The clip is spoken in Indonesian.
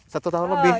satu tahun lebih